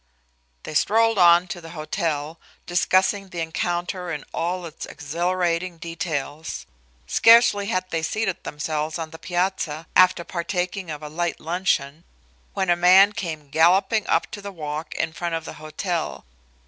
They strolled on to the hotel, discussing the encounter in all its exhilarating details. Scarcely had they seated themselves on the piazza, after partaking of a light luncheon, when a man came galloping up to the walk in front of the hotel.